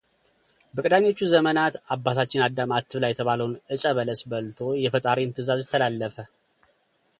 በቀዳሚዎቹ ዘመናት አባታችን አዳም አትብላ የተባለውን ዕጸ በለስ በልቶ የፈጣሪን ትእዛዝ ተላለፈ